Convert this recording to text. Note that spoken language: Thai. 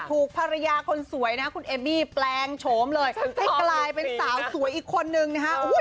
ถูกภรรยาคนสวยนะคุณเอบี้แปลงโฉมเลยให้กลายเป็นสาวสวยอีกคนนึงนะฮะ